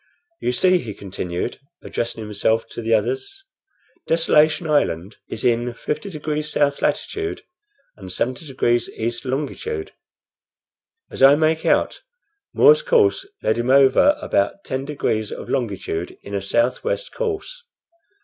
"You see," he continued, addressing himself to the others, "Desolation Island is in 50 degrees south latitude and 70 degrees east longitude. As I make out, More's course led him over about ten degrees of longitude in a southwest course.